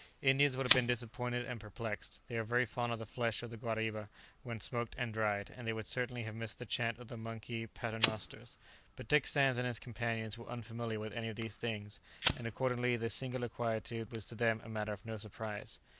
Indians would have been disappointed and perplexed; they are very fond of the flesh of the guariba when smoked and dried, and they would certainly have missed the chant of the monkey "paternosters;" but Dick Sands and his companions were unfamiliar with any of these things, and accordingly the singular quietude was to them a matter of no surprise.